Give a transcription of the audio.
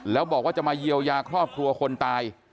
แล้วบอกว่าจะมาเยียวยาครอบครัวคนตาย